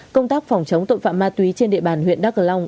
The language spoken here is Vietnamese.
công tác phòng chống tội phạm ma túy trên địa bàn huyện đắk cờ long